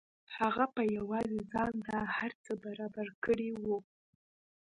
هغه په یوازې ځان دا هر څه برابر کړي وو